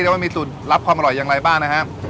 แล้วมันมีสูตรลับความอร่อยยังอะไรป่ะนะครับ